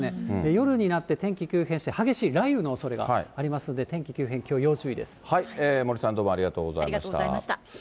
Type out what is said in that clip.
夜になって天気急変して、激しい雷雨のおそれがありますので、天森さん、どうもありがとうごありがとうございました。